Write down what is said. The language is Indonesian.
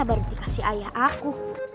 baru dikasih ayah aku